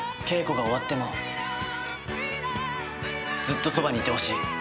「稽古が終わってもずっとそばにいてほしい」